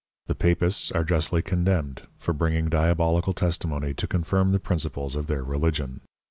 The Papists are justly condemned for bringing Diabolical Testimony to confirm the Principles of their Religion.